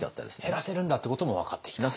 減らせるんだということも分かってきた。